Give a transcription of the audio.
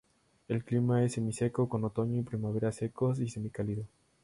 El clima es semiseco, con otoño y primavera secos, y semicálido.